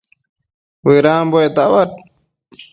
bëdambuec tabad